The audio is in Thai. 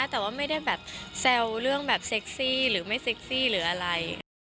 แต่ว่าไม่ได้แบบแซวเรื่องแบบเซ็กซี่หรือไม่เซ็กซี่หรืออะไร